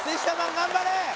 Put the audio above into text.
頑張れ！